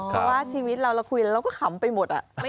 เพราะว่าชีวิตเราเราคุยเราก็ขำไปหมด